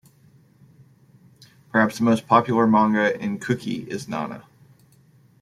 Perhaps the most popular manga in "Cookie" is "Nana".